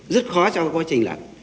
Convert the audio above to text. rất khó trong quá trình lặng